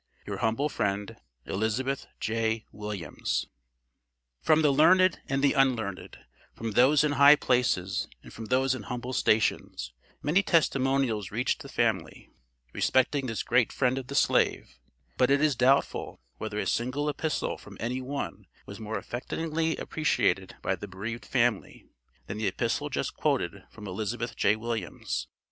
Your humble friend, ELIZABETH J. WILLIAMS. From the learned and the unlearned, from those in high places and from those in humble stations, many testimonials reached the family, respecting this great friend of the slave, but it is doubtful, whether a single epistle from any one, was more affectingly appreciated by the bereaved family, than the epistle just quoted from Elizabeth J. Williams.